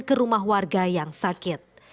ke rumah warga yang sakit